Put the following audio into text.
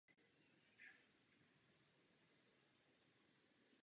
Vítám také, že odložila rozhodnutí o financování klimatu.